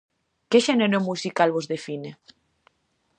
Que xénero musical vos define?